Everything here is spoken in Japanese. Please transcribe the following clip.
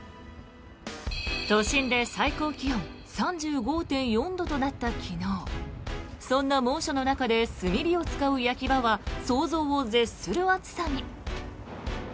都心で最高気温３５．４度となった昨日そんな猛暑の中で炭火を使う焼き場は想像を絶する暑さに。